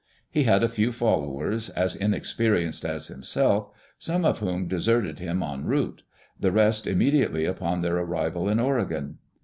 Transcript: He had a few followers as inexperienced as himself, some of whom deserted him en route, the rest immediately upon their arrival in Oregon.